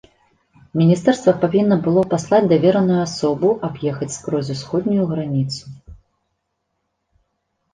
Міністэрства павінна было паслаць давераную асобу аб'ехаць скрозь усходнюю граніцу.